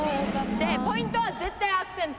ポイントは絶対アクセント。